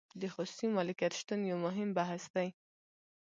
د خصوصي مالکیت شتون یو مهم بحث دی.